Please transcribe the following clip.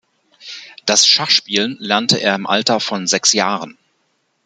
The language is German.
Das Schachspielen lernte er im Alter von sechs Jahren.